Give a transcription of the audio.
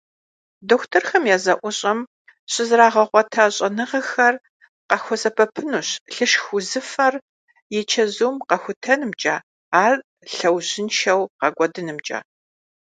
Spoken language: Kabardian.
Дохутырхэм а зэӀущӀэм щызэрагъэгъуэта щӀэныгъэхэр къахуэсэбэпынущ лышх узыфэр и чэзум къэхутэнымкӀэ, ар лъэужьыншэу гъэкӀуэдынымкӀэ.